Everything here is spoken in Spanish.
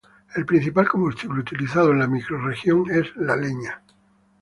El principal combustible utilizado en la microrregión es la leña.